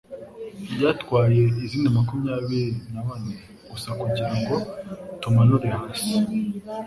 Byatwaye izindi makumyabiri na bane gusa kugirango tumanure hasi.